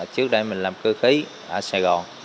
trước đây mình làm cơ khí ở sài gòn